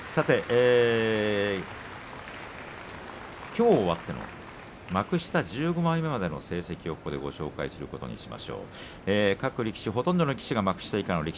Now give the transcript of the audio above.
きょう終わっての幕下１５枚目までの成績をご紹介しましょう。